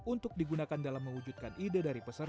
untuk digunakan dalam mewujudkan ide dari peserta